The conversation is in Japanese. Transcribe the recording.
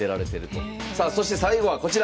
さあそして最後はこちら。